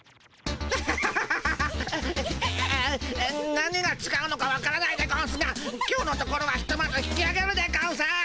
何がちがうのかわからないでゴンスが今日のところはひとまず引きあげるでゴンス。